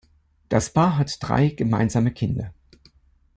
Das Paar hat drei gemeinsame Kinder.